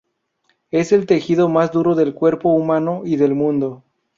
Es el tejido más duro del cuerpo humano y del mundo.